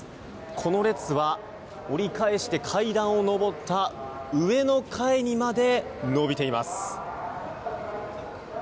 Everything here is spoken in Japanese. この列は、折り返して階段を上った上の階にまで延びています。